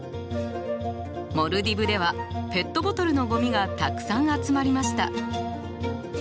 モルディブではペットボトルのゴミがたくさん集まりました。